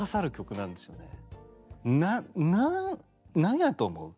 なな何やと思う？